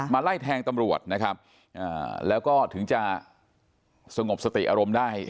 ไล่แทงตำรวจนะครับแล้วก็ถึงจะสงบสติอารมณ์ได้